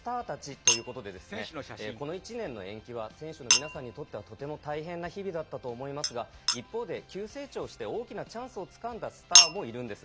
ということでこの１年の転機は選手の皆さんにとってはとても大変な日々だったと思いますが一方で急成長して大きなチャンスをつかんだスターもいるんです。